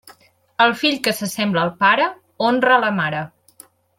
El fill que s'assembla al pare honra a la mare.